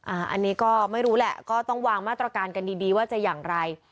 อันนี้ก็ไม่รู้แหละก็ต้องวางมาตรการกันดีดีว่าจะอย่างไร